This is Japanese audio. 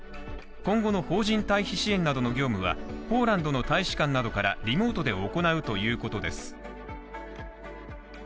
今後の法人退避支援などの業務はポーランドの大使館などからリモートで行うということです。